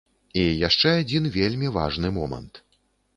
І яшчэ адзін вельмі важны момант.